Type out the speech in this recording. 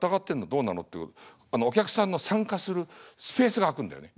どうなの？」ってお客さんの参加するスペースが空くんだよね。